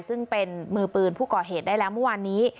ซึ่งเป็นมือปืนผู้ก่อเหตุได้แล้วเมื่อวานนี้